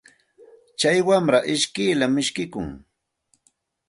Tsay wamra ishkiyllam ishkikun.